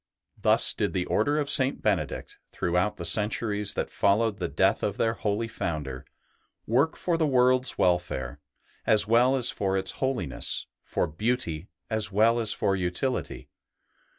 Thus did the Order of St. Benedict, throughout the centuries that followed the death of their holy Founder, work for the world's welfare as well as for its holiness, for beauty as well as for utility.